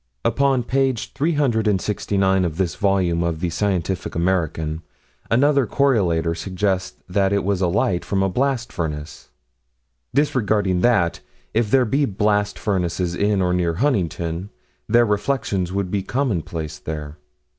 Upon page 369 of this volume of the Scientific American, another correlator suggests that it was a light from a blast furnace disregarding that, if there be blast furnaces in or near Huntington, their reflections would be commonplaces there.